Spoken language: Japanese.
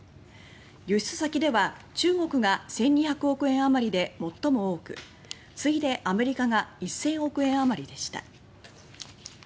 輸出先では、中国が１２００億円余りで最も多く次いでアメリカが１０００億円余りでした。